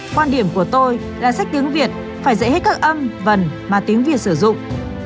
quan điểm của tôi là sách tiếng việt phải dạy hết các âm vần mà tiếng việt sử dụng